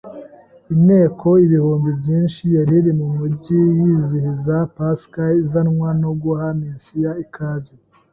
Inteko ibihumbi byinshi yari iri mu mujyi yizihiza Pasika, izanwa no guha Mesiya ikaze